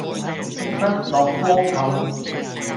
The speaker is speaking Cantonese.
不落窠臼